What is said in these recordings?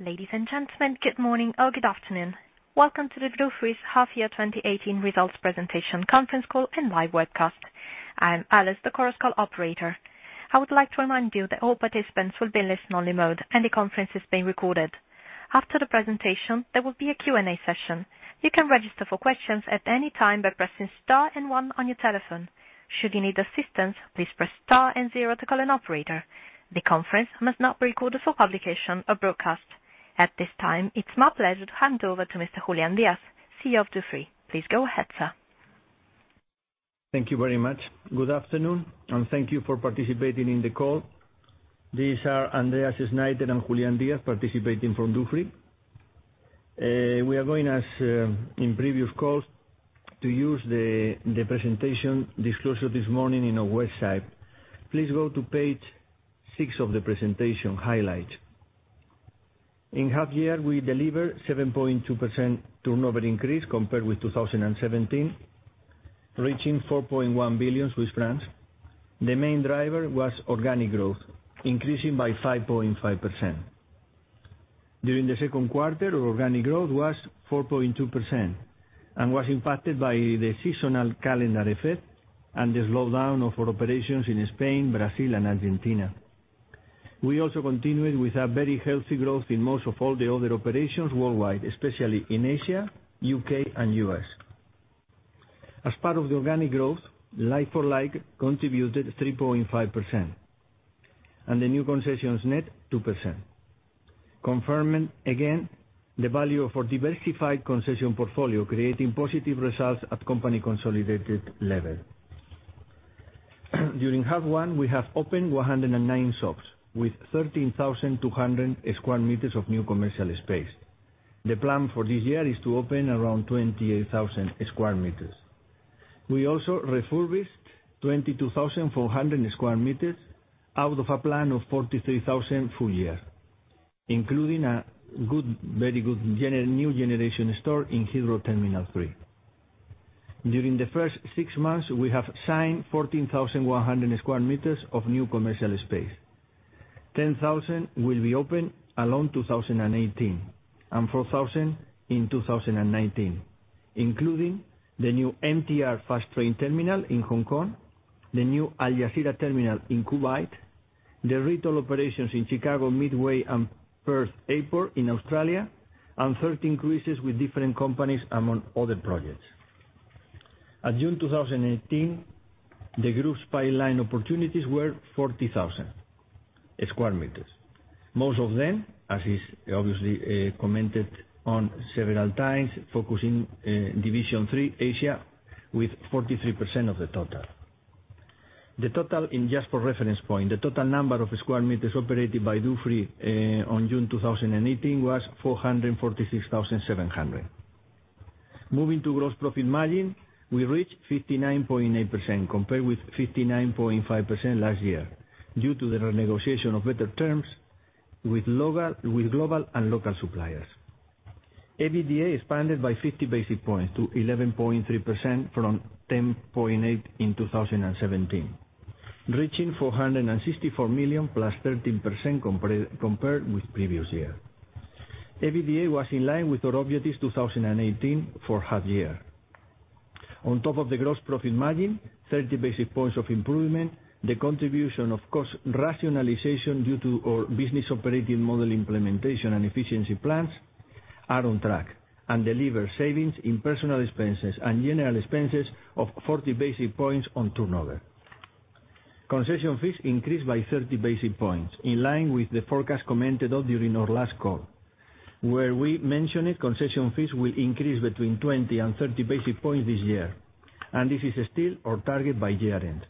Ladies and gentlemen, good morning or good afternoon. Welcome to Dufry's half year 2018 results presentation conference call and live webcast. I am Alice, the Conference Call Operator. I would like to remind you that all participants will be in listen-only mode, and the conference is being recorded. After the presentation, there will be a Q&A session. You can register for questions at any time by pressing star and one on your telephone. Should you need assistance, please press star and zero to call an operator. The conference must not be recorded for publication or broadcast. At this time, it's my pleasure to hand over to Mr. Julián Díaz, CEO of Dufry. Please go ahead, sir. Thank you very much. Good afternoon. Thank you for participating in the call. These are Andreas Schneiter and Julián Díaz participating from Dufry. We are going, as in previous calls, to use the presentation disclosure this morning on our website. Please go to page six of the presentation highlights. In half year, we delivered 7.2% turnover increase compared with 2017, reaching 4.1 billion Swiss francs. The main driver was organic growth, increasing by 5.5%. During the second quarter, organic growth was 4.2% and was impacted by the seasonal calendar effect and the slowdown of our operations in Spain, Brazil, and Argentina. We also continued with a very healthy growth in most of all the other operations worldwide, especially in Asia, U.K., and U.S. As part of the organic growth, like-for-like contributed 3.5%, and the new concessions net, 2%, confirming again the value of our diversified concession portfolio, creating positive results at company consolidated level. During H1, we have opened 109 shops with 13,200 sq m of new commercial space. The plan for this year is to open around 28,000 sq m. We also refurbished 22,400 sq m out of a plan of 43,000 full year, including a very good new generation store in Heathrow Terminal 3. During the first six months, we have signed 14,100 sq m of new commercial space. 10,000 will be open along 2018 and 4,000 in 2019, including the new MTR fast train terminal in Hong Kong, the new Jazeera Terminal 5 in Kuwait, the retail operations in Chicago Midway and Perth Airport in Australia, and 30 increases with different companies, among other projects. At June 2018, the group's pipeline opportunities were 40,000 sq m. Most of them, as is obviously commented on several times, focus in division three, Asia, with 43% of the total. Just for reference point, the total number of square meters operated by Dufry on June 2018 was 446,700. Moving to gross profit margin, we reached 59.8%, compared with 59.5% last year, due to the renegotiation of better terms with global and local suppliers. EBITDA expanded by 50 basis points to 11.3% from 10.8% in 2017, reaching 464 million +13% compared with the previous year. EBITDA was in line with our objectives 2018 for half year. On top of the gross profit margin, 30 basis points of improvement, the contribution of cost rationalization due to our business operating model implementation and efficiency plans are on track and deliver savings in personal expenses and general expenses of 40 basis points on turnover. Concession fees increased by 30 basis points, in line with the forecast commented on during our last call, where we mentioned concession fees will increase between 20 and 30 basis points this year, and this is still our target by year-end.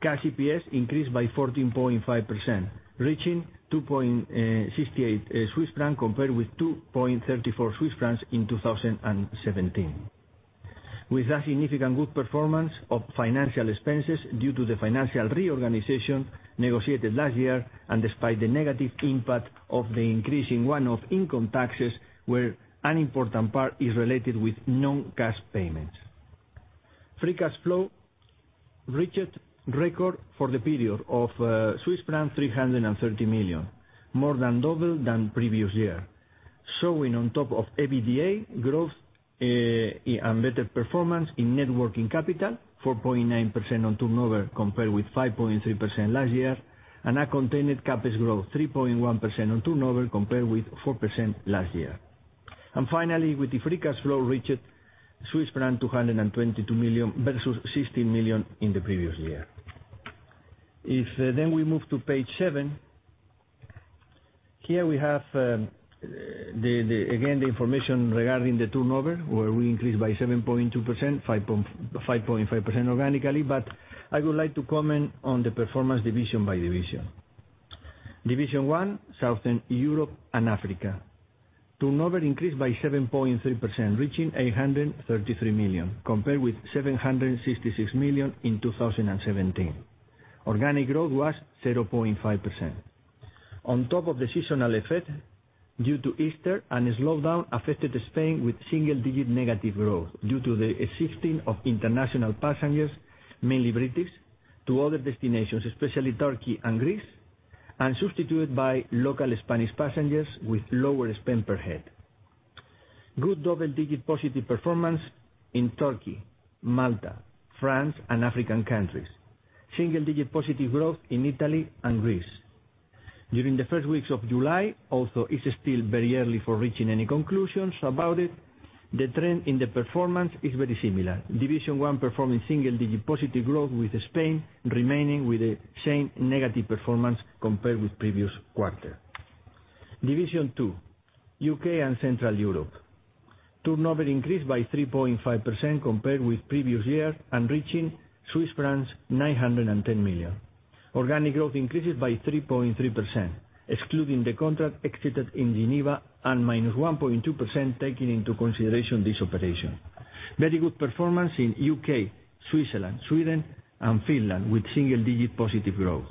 Cash EPS increased by 14.5%, reaching 2.68 Swiss francs compared with 2.34 Swiss francs in 2017. With that significant good performance of financial expenses due to the financial reorganization negotiated last year and despite the negative impact of the increase in one-off income taxes, where an important part is related with non-cash payments. Free cash flow reached a record for the period of Swiss francs 330 million, more than double than the previous year, showing on top of EBITDA growth and better performance in net working capital, 4.9% on turnover compared with 5.3% last year, and a contained CapEx growth, 3.1% on turnover compared with 4% last year. Finally, with the free cash flow reached Swiss franc 222 million versus 16 million in the previous year. If we move to page seven, here we have again, the information regarding the turnover, where we increased by 7.2%, 5.5% organically. I would like to comment on the performance division by division. Division one, Southern Europe and Africa. Turnover increased by 7.3%, reaching 833 million, compared with 766 million in 2017. Organic growth was 0.5%. On top of the seasonal effect Due to Easter and a slowdown affected Spain with single-digit negative growth due to the shifting of international passengers, mainly British, to other destinations, especially Turkey and Greece, and substituted by local Spanish passengers with lower spend per head. Good double-digit positive performance in Turkey, Malta, France, and African countries. Single-digit positive growth in Italy and Greece. During the first weeks of July, although it's still very early for reaching any conclusions about it, the trend in the performance is very similar. Division one performing single-digit positive growth, with Spain remaining with the same negative performance compared with previous quarter. Division two, U.K. and Central Europe. Turnover increased by 3.5% compared with previous year and reaching Swiss francs 910 million. Organic growth increases by 3.3%, excluding the contract exited in Geneva and -1.2% taking into consideration this operation. Very good performance in U.K., Switzerland, Sweden, and Finland, with single-digit positive growth.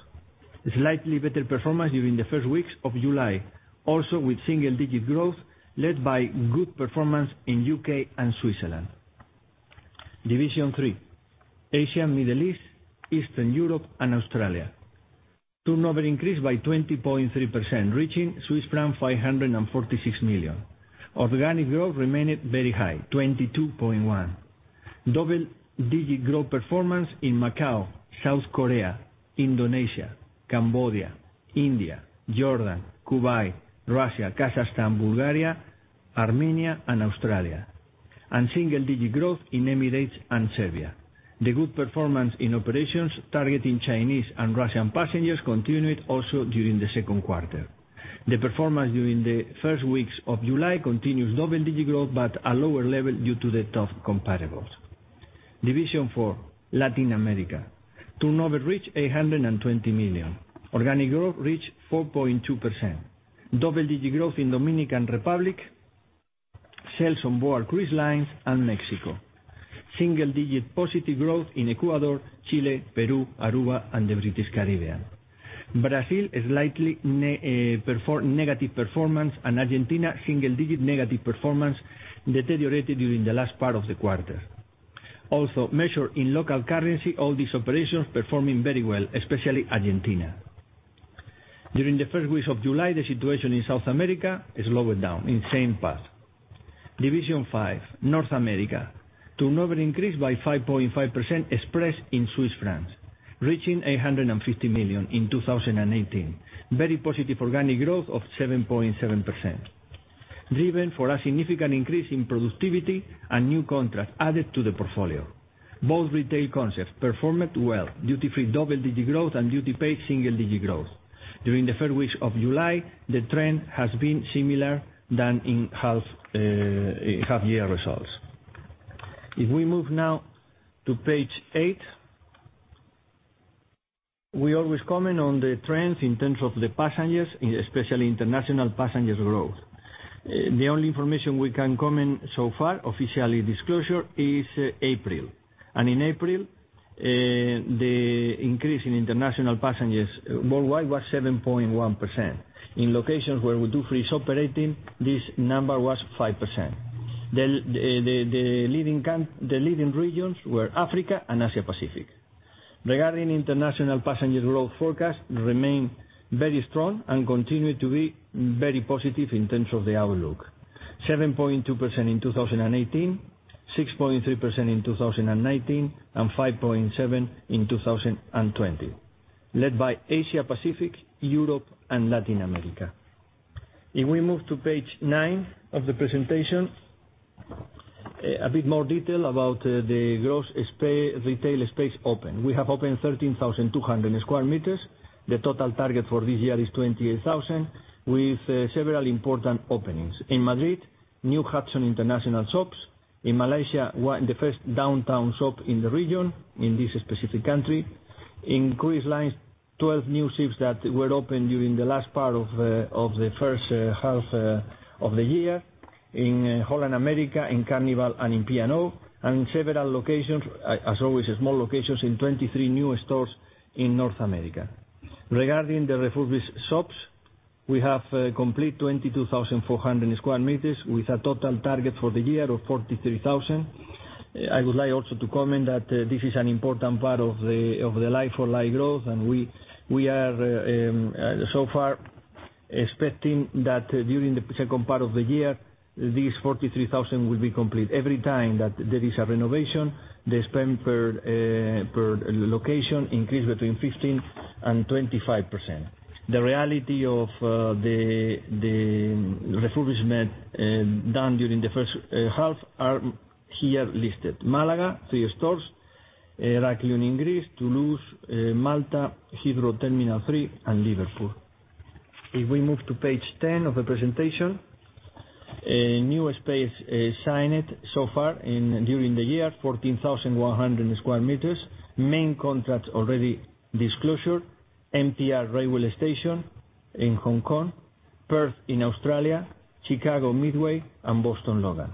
Slightly better performance during the first weeks of July, also with single-digit growth led by good performance in U.K. and Switzerland. Division three, Asia, Middle East, Eastern Europe, and Australia. Turnover increased by 20.3%, reaching Swiss franc 546 million. Organic growth remained very high, 22.1%. Double-digit growth performance in Macau, South Korea, Indonesia, Cambodia, India, Jordan, Kuwait, Russia, Kazakhstan, Bulgaria, Armenia, and Australia, and single-digit growth in Emirates and Serbia. The good performance in operations targeting Chinese and Russian passengers continued also during the second quarter. The performance during the first weeks of July continues double-digit growth, but at lower level due to the tough comparables. Division four, Latin America. Turnover reached 820 million. Organic growth reached 4.2%. Double-digit growth in Dominican Republic, sales on board cruise lines and Mexico. Single-digit positive growth in Ecuador, Chile, Peru, Aruba, and the British Caribbean. Brazil, slightly negative performance and Argentina, single-digit negative performance deteriorated during the last part of the quarter. Also, measured in local currency, all these operations performing very well, especially Argentina. During the first weeks of July, the situation in South America slowed down in same path. Division 5, North America. Turnover increased by 5.5% expressed in CHF, reaching 850 million Swiss francs in 2018. Very positive organic growth of 7.7%, driven for a significant increase in productivity and new contracts added to the portfolio. Both retail concepts performed well, duty-free double-digit growth and duty-paid single-digit growth. During the first weeks of July, the trend has been similar than in half-year results. If we move now to page eight, we always comment on the trends in terms of the passengers, especially international passengers growth. The only information we can comment so far, officially disclosure, is April. In April, the increase in international passengers worldwide was 7.1%. In locations where Dufry operating, this number was 5%. The leading regions were Africa and Asia-Pacific. Regarding international passenger growth forecast remain very strong and continue to be very positive in terms of the outlook, 7.2% in 2018, 6.3% in 2019, and 5.7% in 2020, led by Asia-Pacific, Europe, and Latin America. If we move to page nine of the presentation, a bit more detail about the gross retail space open. We have opened 13,200 sq m. The total target for this year is 28,000, with several important openings. In Madrid, new Hudson International shops. In Malaysia, the first downtown shop in the region in this specific country. In cruise lines, 12 new ships that were opened during the last part of the first half of the year. In Holland America, in Carnival, and in P&O, and several locations, as always, small locations in 23 new stores in North America. Regarding the refurbished shops, we have complete 22,400 sq m with a total target for the year of 43,000. I would like also to comment that this is an important part of the like-for-like growth, and we are so far expecting that during the second part of the year, this 43,000 will be complete. Every time that there is a renovation, the spend per location increase between 15% and 25%. The reality of the refurbishment done during the first half are here listed. Malaga, 3 stores, Heraklion in Greece, Toulouse, Malta, Heathrow Terminal 3, and Liverpool. If we move to page 10 of the presentation, new space signed so far during the year, 14,100 sq m. Main contracts already disclosure, MTR railway station in Hong Kong, Perth in Australia, Chicago Midway, and Boston Logan.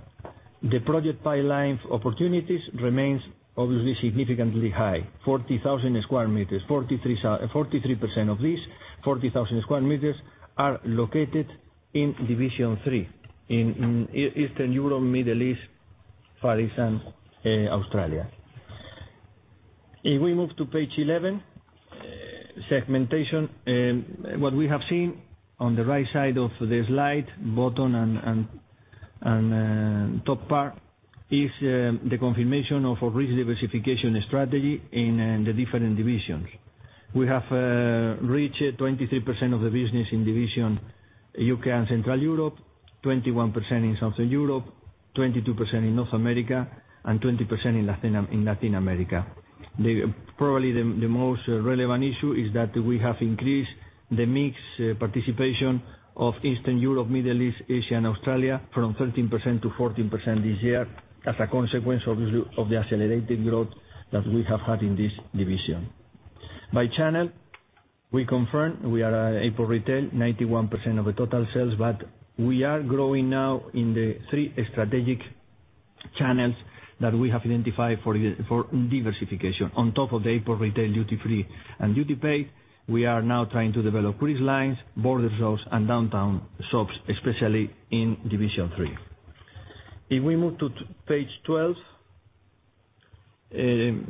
The project pipeline opportunities remains obviously significantly high, 40,000 sq m. 43% of these 40,000 sq m are located in division 3, in Eastern Europe, Middle East, Far East, and Australia. If we move to page 11, segmentation. What we have seen on the right side of the slide, bottom and top part, is the confirmation of a rich diversification strategy in the different divisions. We have reached 23% of the business in division U.K. and Central Europe, 21% in Southern Europe, 22% in North America, and 20% in Latin America. Probably the most relevant issue is that we have increased the mix participation of Eastern Europe, Middle East, Asia, and Australia from 13% to 14% this year as a consequence, obviously, of the accelerated growth that we have had in this division. By channel, we confirm we are airport retail, 91% of the total sales, but we are growing now in the three strategic channels that we have identified for diversification. On top of the airport retail, duty-free and duty-paid, we are now trying to develop cruise lines, border shops, and downtown shops, especially in division three. If we move to page 12.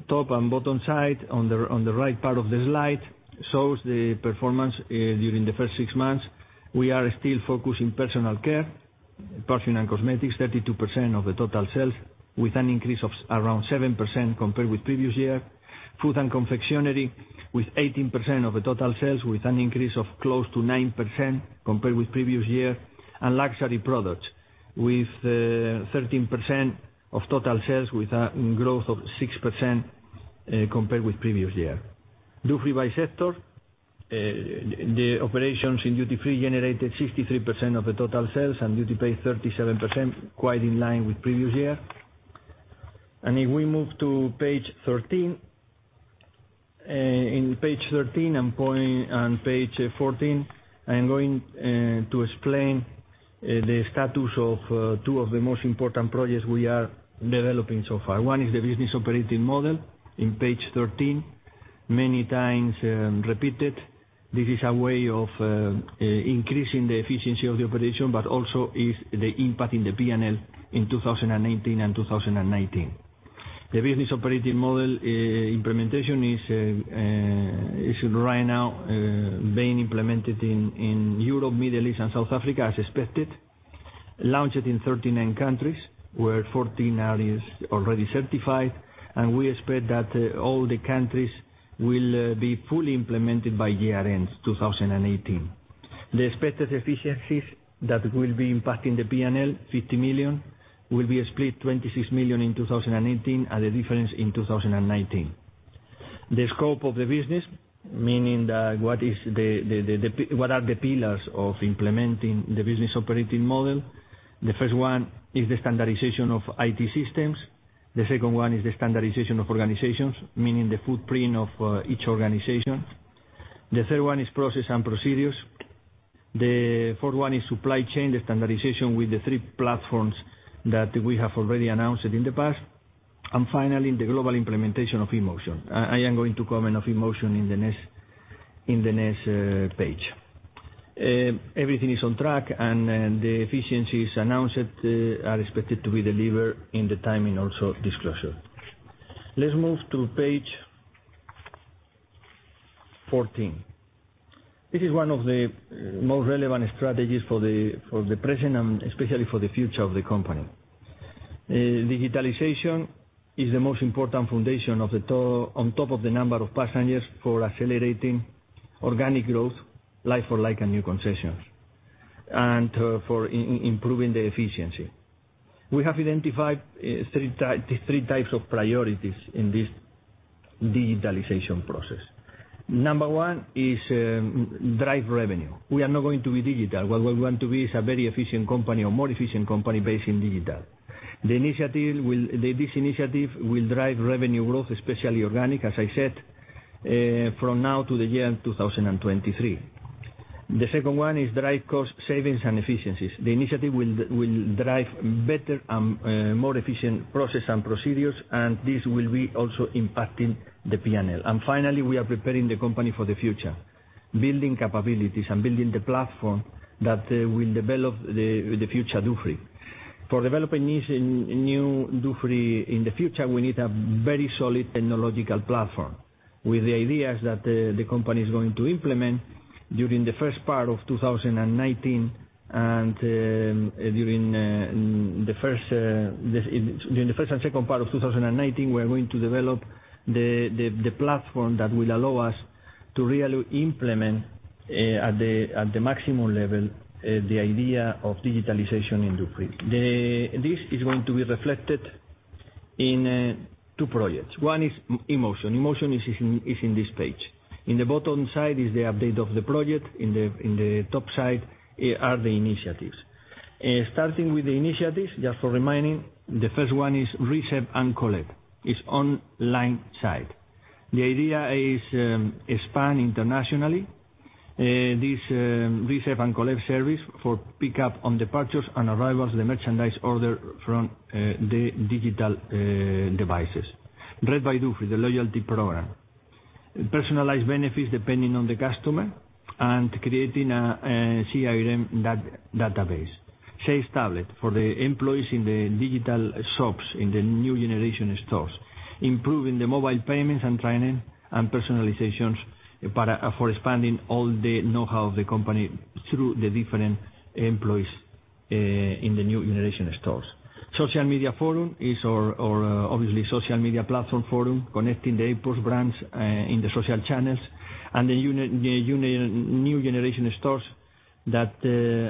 Top and bottom side, on the right part of the slide, shows the performance during the first six months. We are still focused in personal care, perfume, and cosmetics, 32% of the total sales, with an increase of around 7% compared with previous year. Food and confectionery, with 18% of the total sales, with an increase of close to 9% compared with previous year. Luxury products, with 13% of total sales, with a growth of 6% compared with previous year. Duty-free by sector. The operations in duty-free generated 63% of the total sales, and duty-paid 37%, quite in line with previous year. If we move to page 13. In page 13, page 14, I am going to explain the status of two of the most important projects we are developing so far. One is the business operating model in page 13. Many times repeated. This is a way of increasing the efficiency of the operation, but also is the impact in the P&L in 2018 and 2019. The business operating model implementation is right now being implemented in Europe, Middle East, and South Africa as expected. Launched in 39 countries, where 14 are already certified, we expect that all the countries will be fully implemented by year-end 2018. The expected efficiencies that will be impacting the P&L, 50 million, will be split 26 million in 2018, and the difference in 2019. The scope of the business, meaning what are the pillars of implementing the business operating model. The first one is the standardization of IT systems. The second one is the standardization of organizations, meaning the footprint of each organization. The third one is process and procedures. The fourth one is supply chain, the standardization with the three platforms that we have already announced in the past. Finally, the global implementation of e-motion. I am going to comment of e-motion in the next page. Everything is on track, and the efficiencies announced are expected to be delivered in the timing also discussed. Let's move to page 14. This is one of the most relevant strategies for the present and especially for the future of the company. Digitalization is the most important foundation, on top of the number of passengers, for accelerating organic growth, like-for-like and new concessions, and for improving the efficiency. We have identified three types of priorities in this digitalization process. Number one is drive revenue. We are now going to be digital. What we want to be is a very efficient company or more efficient company based in digital. This initiative will drive revenue growth, especially organic, as I said, from now to the year 2023. The second one is drive cost savings and efficiencies. The initiative will drive better and more efficient process and procedures, and this will be also impacting the P&L. Finally, we are preparing the company for the future, building capabilities and building the platform that will develop the future duty-free. For developing new duty-free in the future, we need a very solid technological platform with the ideas that the company is going to implement during the first part of 2019 and during the first and second part of 2019, we are going to develop the platform that will allow us to really implement at the maximum level, the idea of digitalization in duty-free. This is going to be reflected in two projects. One is e-motion. e-motion is in this page. In the bottom side is the update of the project, in the top side are the initiatives. Starting with the initiatives, just for reminding, the first one is Reserve & Collect. It's online side. The idea is to expand internationally this Reserve & Collect service for pickup on departures and arrivals, the merchandise order from the digital devices. RED by Dufry, the loyalty program. Personalized benefits depending on the customer and creating a CRM database. Sales tablet for the employees in the digital shops in the new generation stores, improving the mobile payments and personalizations for expanding all the know-how of the company through the different employees in the new generation stores. Social media forum is our, obviously, social media platform forum, connecting the airports brands in the social channels. The new generation stores that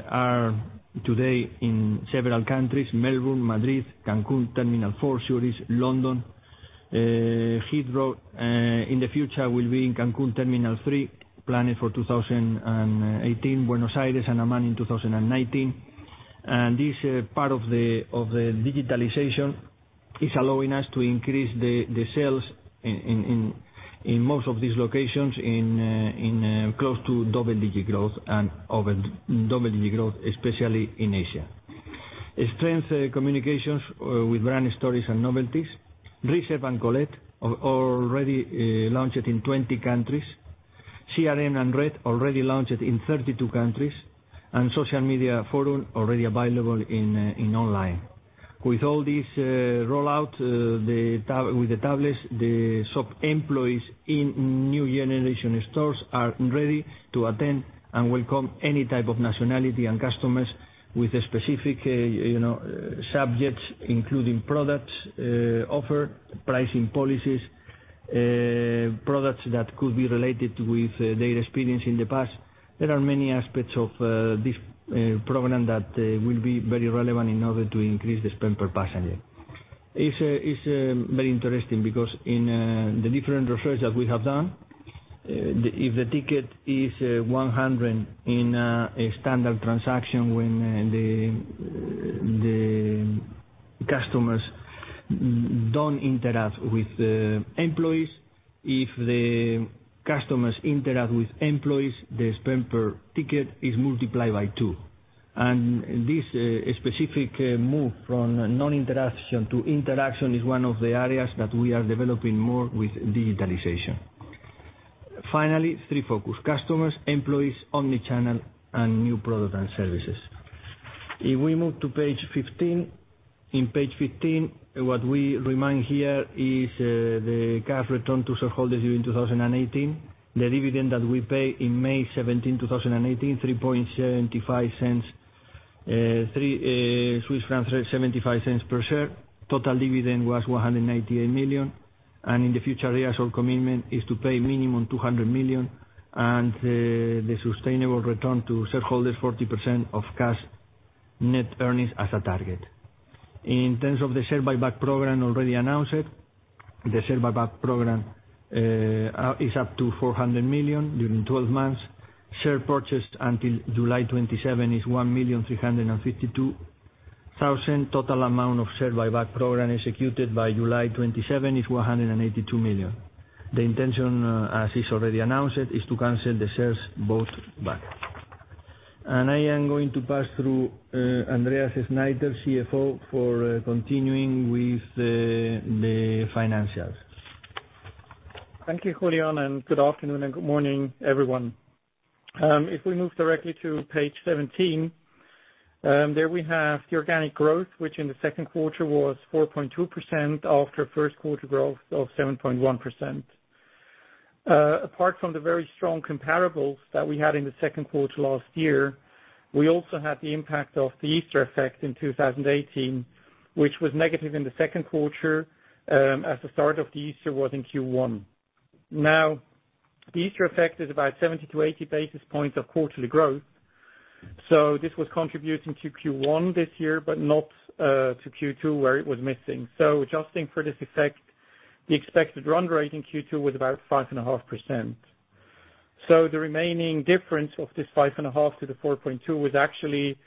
are today in several countries, Melbourne, Madrid, Cancun Terminal 4, Zurich, London, Heathrow. In the future, will be in Cancun Terminal 3, planned for 2018, Buenos Aires and Amman in 2019. This part of the digitalization is allowing us to increase the sales in most of these locations in close to double-digit growth, especially in Asia. Strengthen communications with brand stories and novelties. Reserve & Collect already launched in 20 countries. CRM and RED already launched in 32 countries. Social media forum already available online. With all this rollout, with the tablets, the shop employees in new generation stores are ready to attend and welcome any type of nationality and customers with specific subjects, including products offered, pricing policies, products that could be related with their experience in the past. There are many aspects of this program that will be very relevant in order to increase the spend per passenger. It's very interesting because in the different research that we have done, if the ticket is 100 in a standard transaction, when the customers don't interact with the employees, if the customers interact with employees, the spend per ticket is multiplied by two. This specific move from non-interaction to interaction is one of the areas that we are developing more with digitalization. Finally, three focus, customers, employees, omni-channel, and new product and services. If we move to page 15. In page 15, what we remind here is the cash return to shareholders during 2018, the dividend that we pay in May 17, 2018 3.75 per share. Total dividend was 198 million. In the future years, our commitment is to pay minimum 200 million, and the sustainable return to shareholders, 40% of cash net earnings as a target. In terms of the share buyback program already announced, the share buyback program is up to 400 million during 12 months. Share purchased until July 27 is 1,352,000. Total amount of share buyback program executed by July 27 is 182 million. The intention, as is already announced, is to cancel the shares bought back. I am going to pass through Andreas Schneiter, CFO, for continuing with the financials. Thank you, Julián, and good afternoon and good morning, everyone. If we move directly to page 17, there we have the organic growth, which in the second quarter was 4.2% after first quarter growth of 7.1%. Apart from the very strong comparables that we had in the second quarter last year, we also had the impact of the Easter effect in 2018, which was negative in the second quarter, as the start of the Easter was in Q1. The Easter effect is about 70 to 80 basis points of quarterly growth. This was contributing to Q1 this year, but not to Q2, where it was missing. Adjusting for this effect, the expected run rate in Q2 was about 5.5%. The remaining difference of this 5.5% to the 4.2% was actually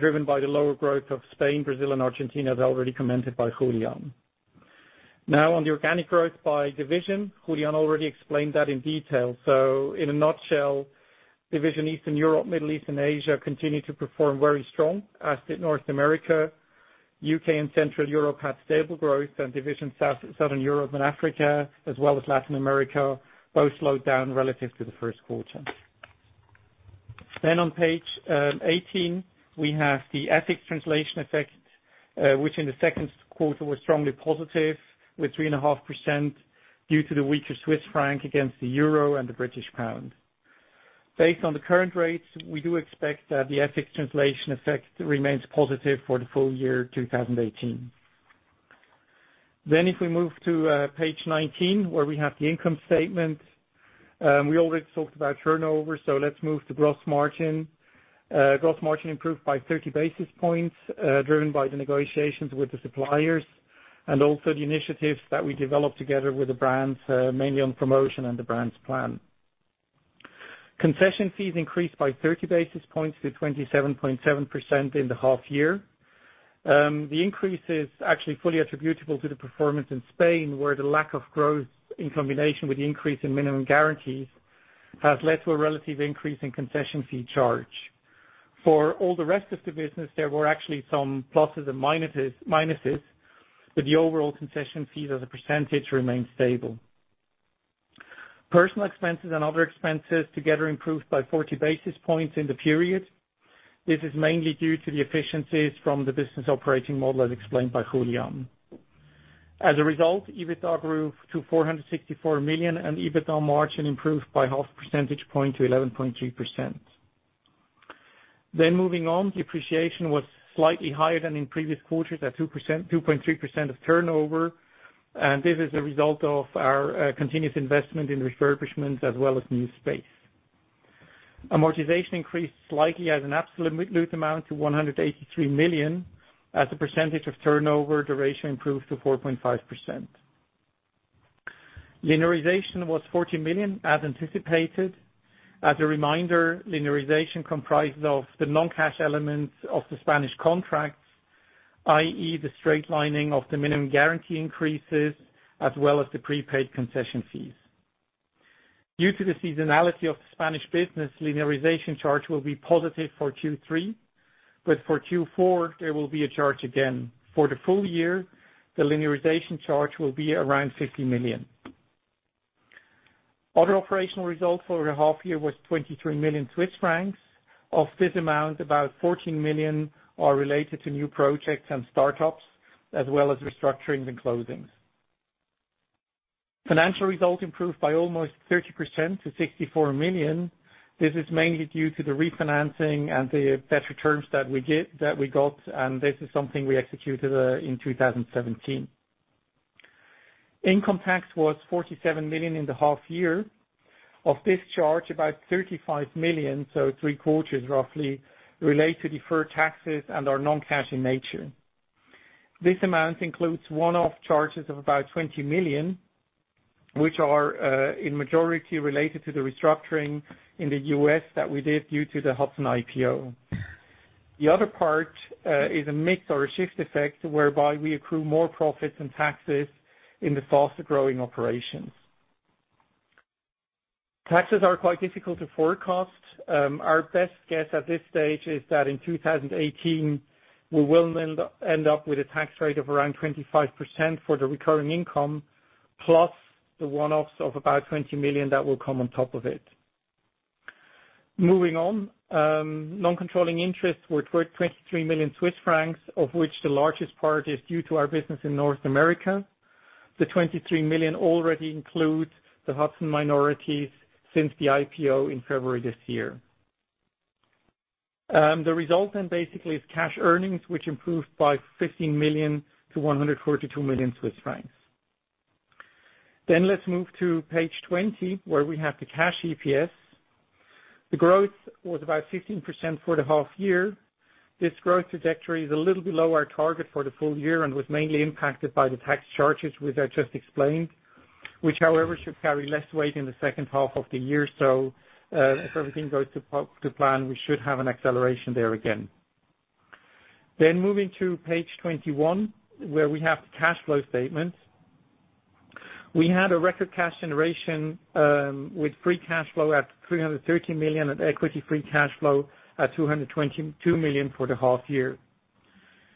driven by the lower growth of Spain, Brazil, and Argentina, as already commented by Julián. On the organic growth by division, Julián already explained that in detail. In a nutshell, division Eastern Europe, Middle East, and Asia continued to perform very strong, as did North America. U.K. and Central Europe had stable growth, and division Southern Europe and Africa, as well as Latin America, both slowed down relative to the first quarter. On page 18, we have the FX translation effect, which in the second quarter was strongly positive with 3.5% due to the weaker Swiss franc against the EUR and the GBP. Based on the current rates, we do expect that the FX translation effect remains positive for the full year 2018. If we move to page 19, where we have the income statement. We already talked about turnover, let's move to gross margin. Gross margin improved by 30 basis points, driven by the negotiations with the suppliers and also the initiatives that we developed together with the brands, mainly on promotion and the brand plan. Concession fees increased by 30 basis points to 27.7% in the half year. The increase is actually fully attributable to the performance in Spain, where the lack of growth in combination with the increase in minimum guarantees has led to a relative increase in concession fee charge. For all the rest of the business, there were actually some pluses and minuses, but the overall concession fees as a percentage remained stable. Personal expenses and other expenses together improved by 40 basis points in the period. This is mainly due to the efficiencies from the business operating model, as explained by Julián. EBITDA grew to 464 million, and EBITDA margin improved by half percentage point to 11.3%. Moving on. Depreciation was slightly higher than in previous quarters at 2.3% of turnover. This is a result of our continuous investment in refurbishments as well as new space. Amortization increased slightly as an absolute amount to 183 million. As a percentage of turnover, the ratio improved to 4.5%. Linearization was 40 million, as anticipated. As a reminder, linearization comprises of the non-cash elements of the Spanish contracts, i.e., the straight lining of the minimum guarantee increases as well as the prepaid concession fees. Due to the seasonality of the Spanish business, linearization charge will be positive for Q3, but for Q4, there will be a charge again. For the full year, the linearization charge will be around 50 million. Other operational results for the half year was 23 million Swiss francs. Of this amount, about 14 million are related to new projects and startups as well as restructurings and closings. Financial results improved by almost 30% to 64 million. This is mainly due to the refinancing and the better terms that we got, this is something we executed in 2017. Income tax was 47 million in the half year. Of this charge, about 35 million, so three quarters roughly, relate to deferred taxes and are non-cash in nature. This amount includes one-off charges of about 20 million, which are in majority related to the restructuring in the U.S. that we did due to the Hudson IPO. The other part is a mix or a shift effect whereby we accrue more profits and taxes in the faster-growing operations. Taxes are quite difficult to forecast. Our best guess at this stage is that in 2018, we will end up with a tax rate of around 25% for the recurring income, plus the one-offs of about 20 million that will come on top of it. Moving on. Non-controlling interests were 23 million Swiss francs, of which the largest part is due to our business in North America. The 23 million already includes the Hudson minorities since the IPO in February this year. The result in basically is Cash EPS, which improved by 15 million to 142 million Swiss francs. Let's move to page 20, where we have the Cash EPS. The growth was about 15% for the half year. This growth trajectory is a little below our target for the full year and was mainly impacted by the tax charges, which I just explained. Which, however, should carry less weight in the second half of the year. If everything goes to plan, we should have an acceleration there again. Moving to page 21, where we have the cash flow statement. We had a record cash generation, with free cash flow at 313 million and equity free cash flow at 222 million for the half year.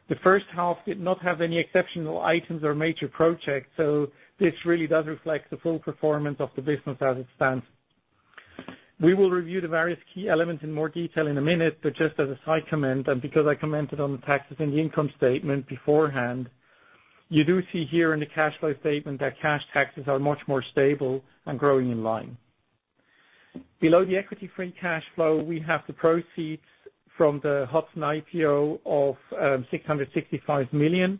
The first half did not have any exceptional items or major projects, this really does reflect the full performance of the business as it stands. We will review the various key elements in more detail in a minute, but just as a side comment, because I commented on the taxes in the income statement beforehand, you do see here in the cash flow statement that cash taxes are much more stable and growing in line. Below the equity free cash flow, we have the proceeds from the Hudson IPO of 665 million,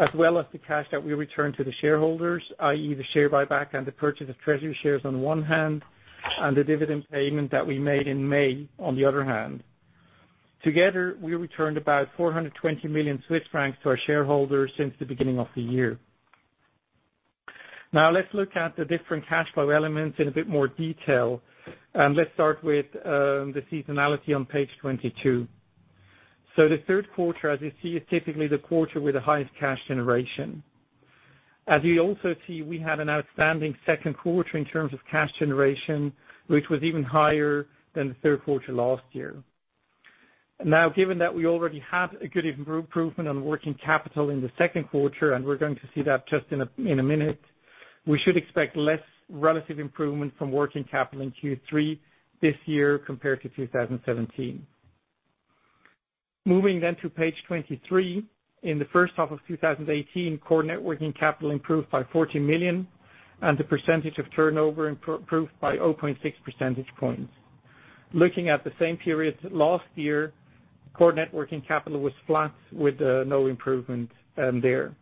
as well as the cash that we returned to the shareholders, i.e., the share buyback and the purchase of treasury shares on one hand, and the dividend payment that we made in May on the other hand. Together, we returned about 420 million Swiss francs to our shareholders since the beginning of the year. Let's look at the different cash flow elements in a bit more detail. Let's start with the seasonality on page 22. The third quarter, as you see, is typically the quarter with the highest cash generation. As you also see, we had an outstanding second quarter in terms of cash generation, which was even higher than the third quarter last year. Given that we already had a good improvement on working capital in the second quarter, and we're going to see that just in a minute, we should expect less relative improvement from working capital in Q3 this year compared to 2017. Moving to page 23. In the first half of 2018, core net working capital improved by 40 million, and the percentage of turnover improved by 0.6 percentage points. Looking at the same period last year, core net working capital was flat with no improvement there.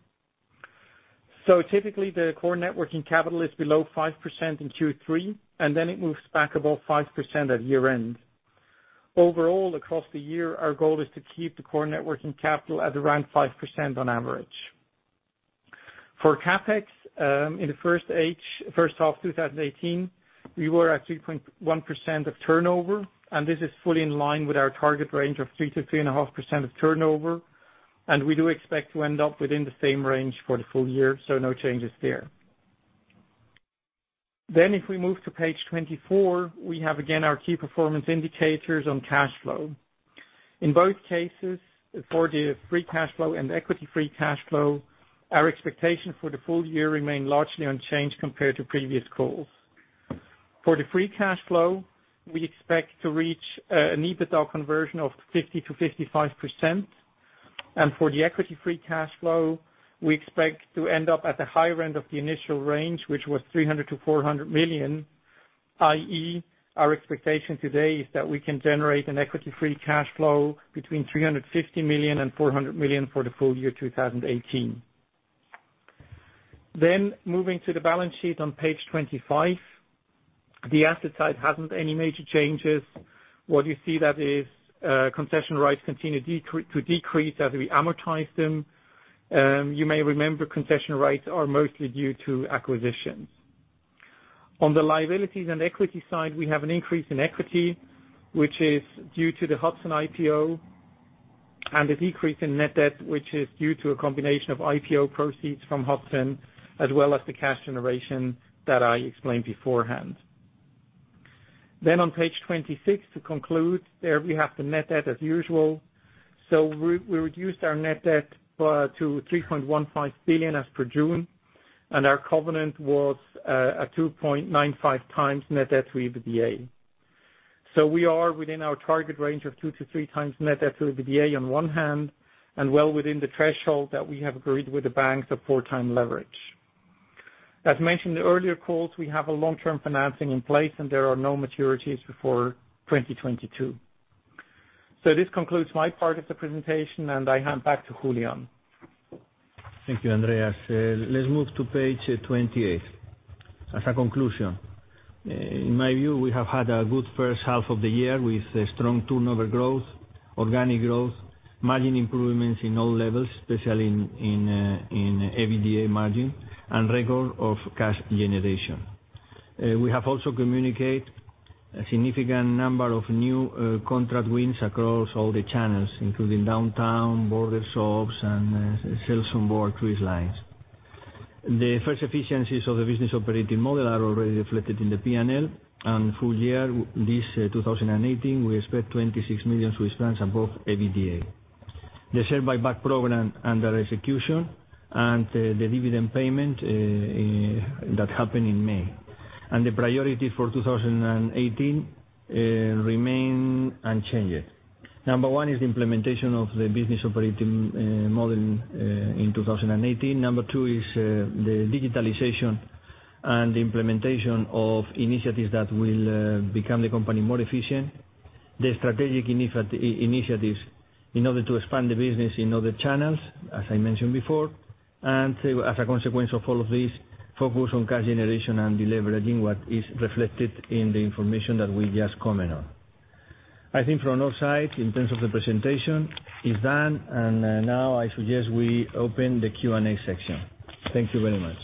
Typically, the core net working capital is below 5% in Q3, and then it moves back above 5% at year-end. Overall, across the year, our goal is to keep the core net working capital at around 5% on average. For CapEx, in the first half of 2018, we were at 3.1% of turnover, and this is fully in line with our target range of 3%-3.5% of turnover. We do expect to end up within the same range for the full year, so no changes there. If we move to page 24, we have, again, our key performance indicators on cash flow. In both cases, for the free cash flow and equity free cash flow, our expectation for the full year remain largely unchanged compared to previous calls. For the free cash flow, we expect to reach an EBITDA conversion of 50%-55%. For the equity free cash flow, we expect to end up at the higher end of the initial range, which was 300 million-400 million, i.e., our expectation today is that we can generate an equity free cash flow between 350 million and 400 million for the full year 2018. Moving to the balance sheet on page 25. The asset side hasn't any major changes. What you see that is concession rights continue to decrease as we amortize them. You may remember concession rights are mostly due to acquisitions. On the liabilities and equity side, we have an increase in equity, which is due to the Hudson IPO, and a decrease in net debt, which is due to a combination of IPO proceeds from Hudson, as well as the cash generation that I explained beforehand. On page 26, to conclude, there we have the net debt as usual. We reduced our net debt to 3.15 billion as per June, and our covenant was a 2.95 times net debt to EBITDA. We are within our target range of 2 to 3 times net debt to EBITDA on one hand, and well within the threshold that we have agreed with the banks of 4 times leverage. As mentioned in the earlier calls, we have a long-term financing in place, and there are no maturities before 2022. This concludes my part of the presentation, and I hand back to Julián. Thank you, Andreas Schneiter. Let's move to page 28. As a conclusion, in my view, we have had a good first half of the year with strong turnover growth, organic growth, margin improvements in all levels, especially in EBITDA margin, and record of cash generation. We have also communicate a significant number of new contract wins across all the channels, including downtown, border shops, and sales on board cruise lines. The first efficiencies of the business operating model are already reflected in the P&L and full year this 2018, we expect 26 million Swiss francs above EBITDA. The share buyback program under execution and the dividend payment that happened in May. The priority for 2018 remain unchanged. Number 1 is the implementation of the business operating model in 2018. Number 2 is the digitalization and the implementation of initiatives that will become the company more efficient. The strategic initiatives in order to expand the business in other channels, as I mentioned before. As a consequence of all of this, focus on cash generation and deleveraging what is reflected in the information that we just comment on. I think from our side, in terms of the presentation, is done, and now I suggest we open the Q&A section. Thank you very much.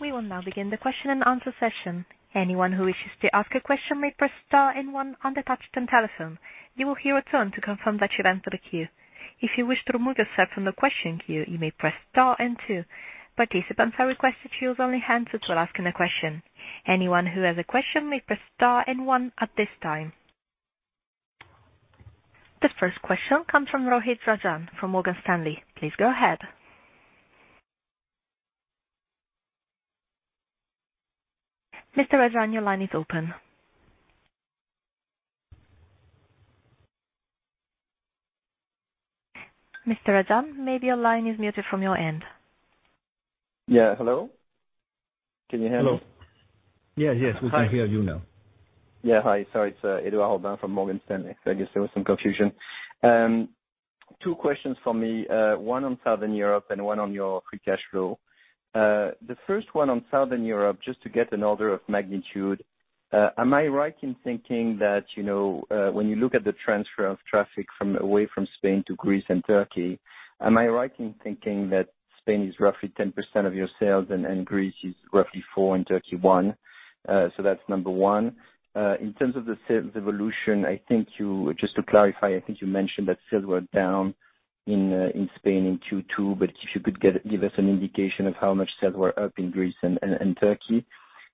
We will now begin the question and answer session. Anyone who wishes to ask a question may press star and one on the touchtone telephone. You will hear a tone to confirm that you've entered the queue. If you wish to remove yourself from the question queue, you may press star and two. Participants are requested to use only hands to ask a question. Anyone who has a question may press star and one at this time. The first question comes from [Rohit Rajan] from Morgan Stanley. Please go ahead. Mr. Rajan, your line is open. Mr. Rajan, maybe your line is muted from your end. Yeah. Hello. Can you hear me? Hello. Yeah. Hi. Yes. We can hear you now. Yeah. Hi, sorry. It's Edouard Aubin from Morgan Stanley. I guess there was some confusion. Two questions for me, one on Southern Europe and one on your free cash flow. The first one on Southern Europe, just to get an order of magnitude, am I right in thinking that, when you look at the transfer of traffic away from Spain to Greece and Turkey, am I right in thinking that Spain is roughly 10% of your sales and Greece is roughly four and Turkey one? That's number one. In terms of the sales evolution, just to clarify, I think you mentioned that sales were down in Spain in Q2, but if you could give us an indication of how much sales were up in Greece and Turkey.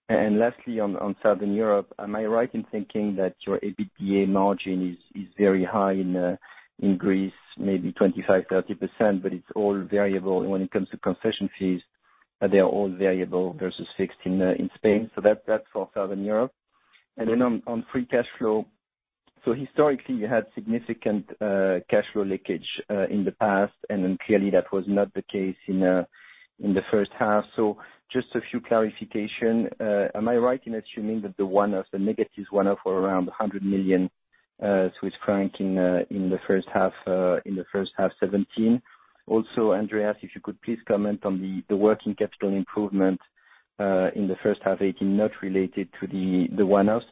Lastly, on Southern Europe, am I right in thinking that your EBITDA margin is very high in Greece, maybe 25%-30%, but it's all variable when it comes to concession fees, they are all variable versus fixed in Spain. That's for Southern Europe. Then on free cash flow. Historically, you had significant cash flow leakage in the past, and clearly that was not the case in the first half. Just a few clarification. Am I right in assuming that the negative one-off were around 100 million Swiss franc in the first half 2017? Also, Andreas, if you could please comment on the working capital improvement in the first half 2018, not related to the one-offs.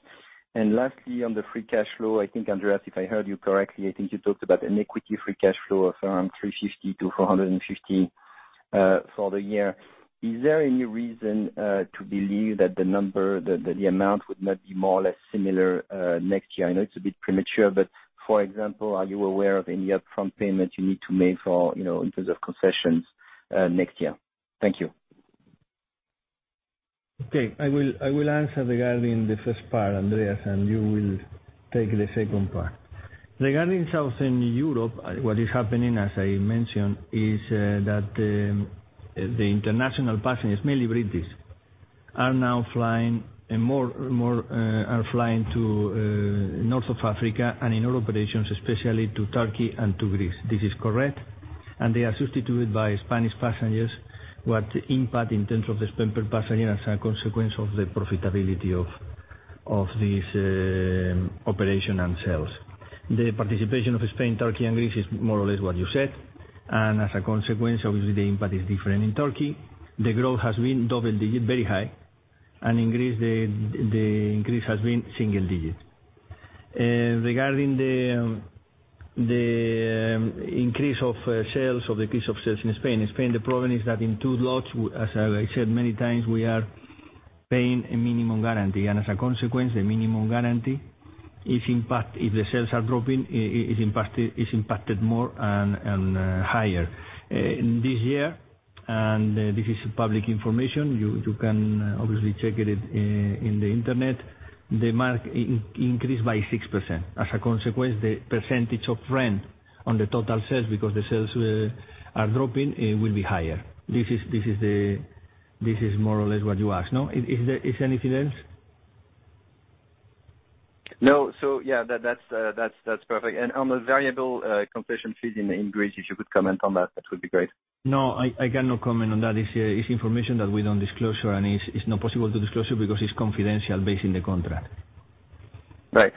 Lastly, on the free cash flow, I think, Andreas, if I heard you correctly, I think you talked about an equity free cash flow of around 350-450 for the year. Is there any reason to believe that the amount would not be more or less similar next year? I know it's a bit premature, but for example, are you aware of any upfront payment you need to make in terms of concessions next year? Thank you. Okay. I will answer regarding the first part, Andreas, and you will take the second part. Regarding Southern Europe, what is happening, as I mentioned, is that the international passengers, mainly British, are now flying, more are flying to North Africa and in all operations, especially to Turkey and to Greece. This is correct. They are substituted by Spanish passengers. What impact in terms of the spend per passenger, as a consequence of the profitability of this operation and sales. The participation of Spain, Turkey, and Greece is more or less what you said, and as a consequence, obviously, the impact is different. In Turkey, the growth has been double digit, very high, and in Greece, the increase has been single digit. Regarding the increase of sales or decrease of sales in Spain. In Spain, the problem is that in two lots, as I said many times, we are paying a minimum guarantee, and as a consequence, the minimum guarantee, if the sales are dropping, is impacted more and higher. In this year, and this is public information, you can obviously check it in the internet, the MAG increased by 6%. As a consequence, the percentage of rent on the total sales, because the sales are dropping, will be higher. This is more or less what you asked, no? Is there anything else? No. Yeah, that's perfect. On the variable concession fees in Greece, if you could comment on that would be great. No, I cannot comment on that. It's information that we don't disclose, it's not possible to disclose it because it's confidential based in the contract. Right.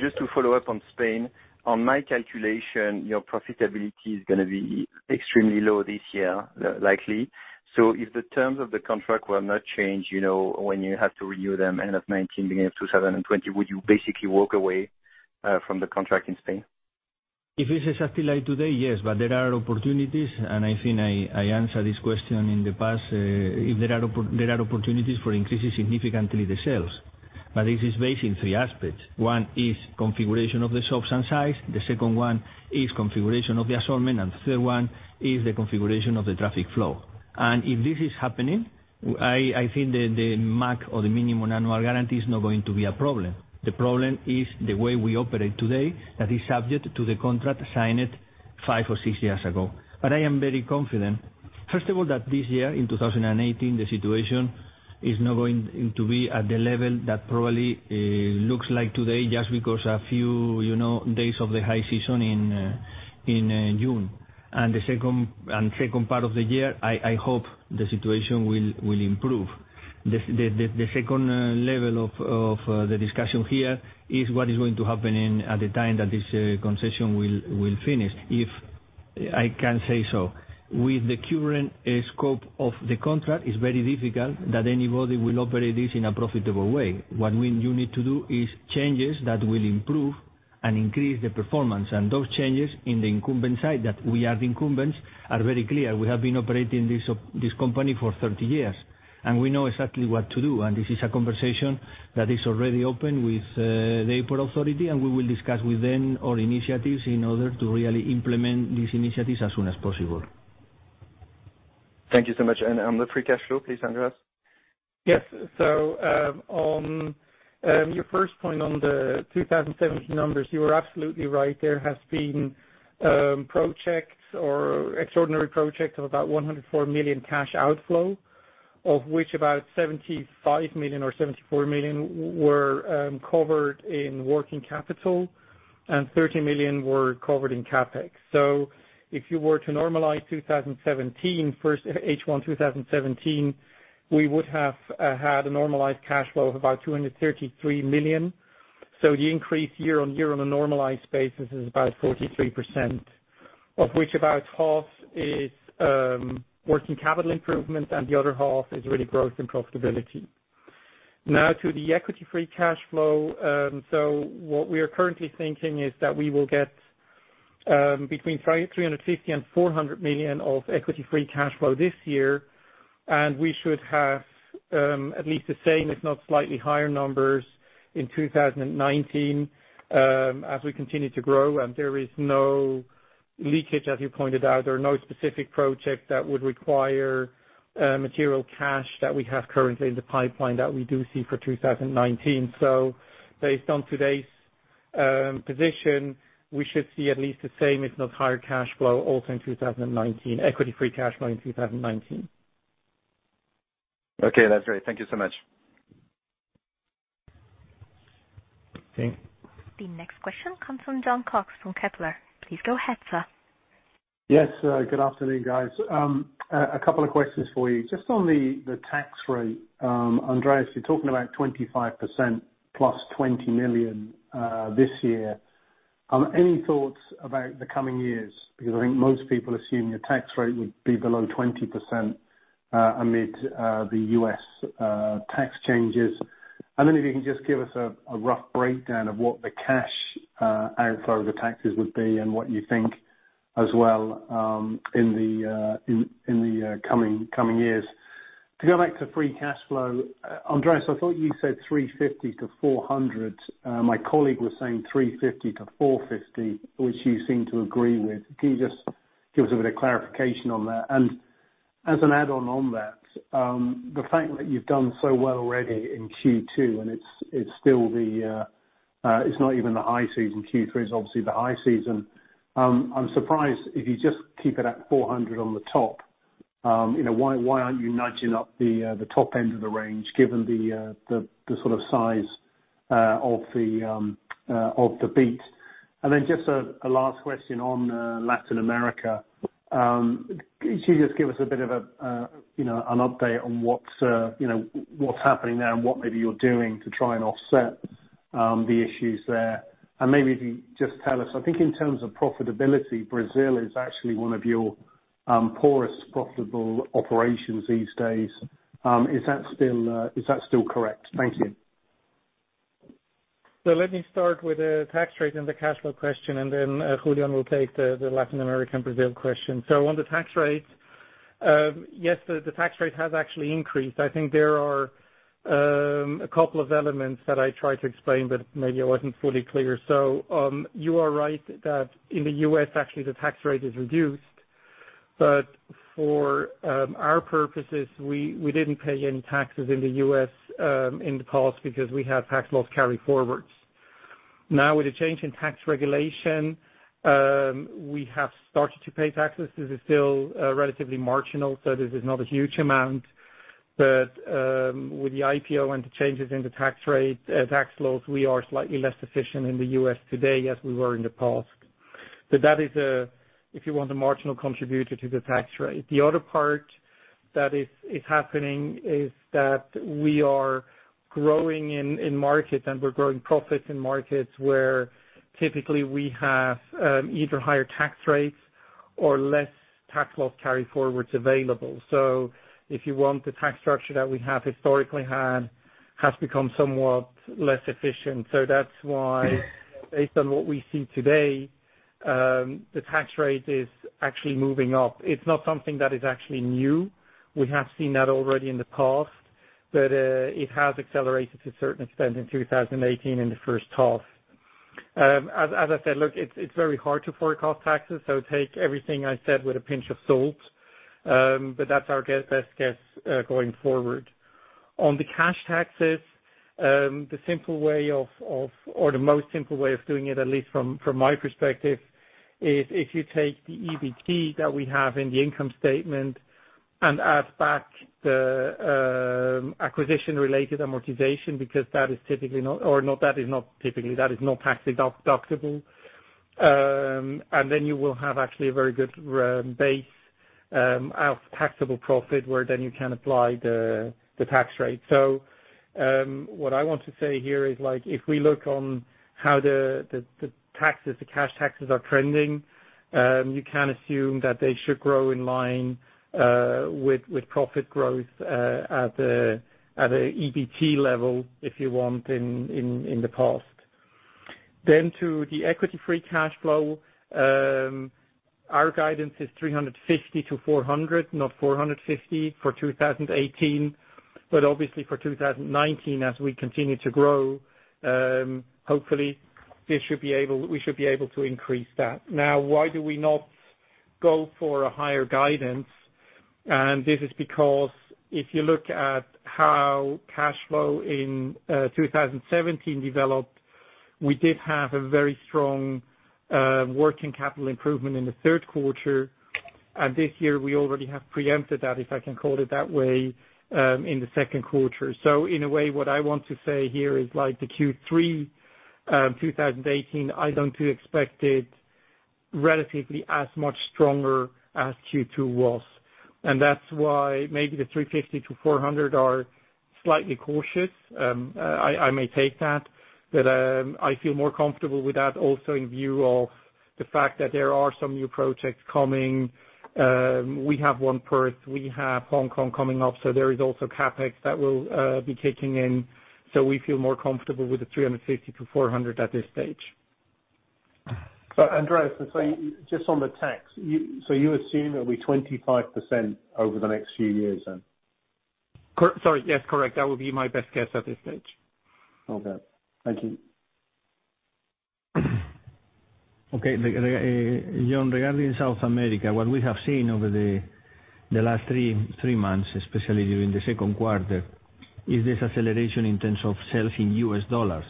Just to follow up on Spain, on my calculation, your profitability is going to be extremely low this year, likely. If the terms of the contract were not changed, when you have to renew them, end of 2019, beginning of 2020, would you basically walk away from the contract in Spain? If it is exactly like today, yes. There are opportunities, I think I answered this question in the past. There are opportunities for increasing significantly the sales. This is based in three aspects. One is configuration of the shops and size, the second one is configuration of the assortment, third one is the configuration of the traffic flow. If this is happening, I think the MAG or the minimum annual guarantee is not going to be a problem. The problem is the way we operate today, that is subject to the contract signed five or six years ago. I am very confident, first of all, that this year, in 2018, the situation is not going to be at the level that probably looks like today, just because a few days of the high season in June. The second part of the year, I hope the situation will improve. The second level of the discussion here is what is going to happen at the time that this concession will finish. If I can say so, with the current scope of the contract, it's very difficult that anybody will operate this in a profitable way. What you need to do is changes that will improve and increase the performance, and those changes in the incumbent side, that we are the incumbents, are very clear. We have been operating this company for 30 years, and we know exactly what to do. This is a conversation that is already open with the airport authority, and we will discuss with them our initiatives in order to really implement these initiatives as soon as possible. Thank you so much. On the free cash flow, please, Andreas. Yes. On your first point on the 2017 numbers, you are absolutely right. There has been projects or extraordinary projects of about 104 million cash outflow, of which about 75 million or 74 million were covered in working capital, and 30 million were covered in CapEx. If you were to normalize 2017, first H1 2017, we would have had a normalized cash flow of about 233 million. The increase year-on-year on a normalized basis is about 43%, of which about half is working capital improvement and the other half is really growth and profitability. What we are currently thinking is that we will get between 350 million and 400 million of equity free cash flow this year, and we should have at least the same, if not slightly higher numbers in 2019, as we continue to grow. There is no leakage, as you pointed out. There are no specific projects that would require material cash that we have currently in the pipeline that we do see for 2019. Based on today's position, we should see at least the same, if not higher cash flow also in 2019, equity free cash flow in 2019. Okay, that's great. Thank you so much. Okay. The next question comes from Jon Cox from Kepler. Please go ahead, sir. Yes. Good afternoon, guys. A couple of questions for you. Just on the tax rate, Andreas, you are talking about 25% plus 20 million this year. Any thoughts about the coming years? If you can just give us a rough breakdown of what the cash outflow of the taxes would be and what you think as well in the coming years. Because I think most people assume your tax rate would be below 20% amid the U.S. tax changes. To go back to free cash flow, Andreas, I thought you said 350 million-400 million. My colleague was saying 350 million-450 million, which you seem to agree with. Can you just give us a bit of clarification on that? As an add-on on that, the fact that you have done so well already in Q2 and it is not even the high season. Q3 is obviously the high season. I am surprised if you just keep it at 400 million on the top. Why are not you nudging up the top end of the range, given the sort of size of the beat? Just a last question on Latin America. Could you just give us a bit of an update on what is happening there and what maybe you are doing to try and offset the issues there? Maybe if you just tell us, I think in terms of profitability, Brazil is actually one of your poorest profitable operations these days. Is that still correct? Thank you. Let me start with the tax rate and the cash flow question, and then Julián will take the Latin American Brazil question. On the tax rate, yes, the tax rate has actually increased. I think there are a couple of elements that I tried to explain, but maybe I wasn't fully clear. You are right that in the U.S., actually, the tax rate is reduced. But for our purposes, we didn't pay any taxes in the U.S. in the past because we had tax loss carry-forwards. Now, with the IPO and the changes in the tax laws, we are slightly less efficient in the U.S. today as we were in the past. That is, if you want, a marginal contributor to the tax rate. The other part that is happening is that we are growing in markets and we're growing profits in markets where typically we have either higher tax rates or less tax loss carry-forwards available. If you want, the tax structure that we have historically had has become somewhat less efficient. That's why based on what we see today, the tax rate is actually moving up. It's not something that is actually new. We have seen that already in the past, but it has accelerated to a certain extent in 2018 in the first half. As I said, it's very hard to forecast taxes, so take everything I said with a pinch of salt. But that's our best guess going forward. On the cash taxes, the simple way or the most simple way of doing it, at least from my perspective, is if you take the EBT that we have in the income statement and add back the acquisition-related amortization, because that is not typically tax-deductible. And then you will have actually a very good base of taxable profit, where then you can apply the tax rate. What I want to say here is if we look on how the cash taxes are trending, you can assume that they should grow in line with profit growth at the EBT level, if you want, in the past. To the equity free cash flow, our guidance is 350-400, not 450 for 2018. But obviously for 2019, as we continue to grow, hopefully we should be able to increase that. Why do we not go for a higher guidance? And this is because if you look at how cash flow in 2017 developed, we did have a very strong working capital improvement in the 3rd quarter. And this year we already have preempted that, if I can call it that way, in the 2nd quarter. In a way, what I want to say here is the Q3 2018, I don't expect it relatively as much stronger as Q2 was. And that's why maybe the 350-400 are slightly cautious. I may take that, but I feel more comfortable with that also in view of the fact that there are some new projects coming. We have one Perth, we have Hong Kong coming up, so there is also CapEx that will be kicking in. So we feel more comfortable with the 350-400 at this stage. Andreas, just on the tax, you assume it'll be 25% over the next few years then? Sorry. Yes, correct. That would be my best guess at this stage. Thank you. Jon, regarding South America, what we have seen over the last three months, especially during the second quarter, is this acceleration in terms of sales in US dollars.